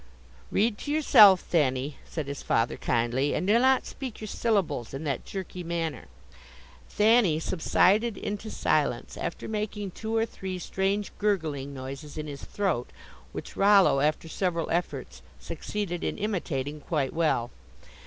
"Read to yourself, Thanny," said his father kindly, "and do not speak your syllables in that jerky manner." Thanny subsided into silence, after making two or three strange gurgling noises in his throat, which Rollo, after several efforts, succeeded in imitating quite well.